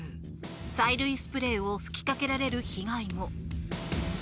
催涙スプレーを吹きかけられる被害も。